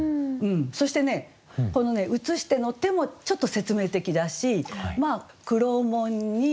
そしてこの「映して」の「て」もちょっと説明的だし「黒門に」